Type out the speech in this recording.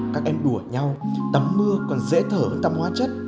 các em đùa nhau tắm mưa còn dễ thở hơn tắm hoa chất